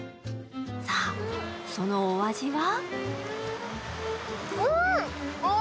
さあそのお味は？